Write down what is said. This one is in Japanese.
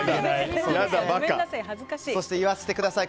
そして、言わせてください。